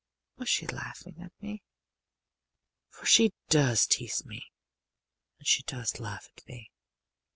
Was she laughing at me? For she does tease me and she does laugh at me.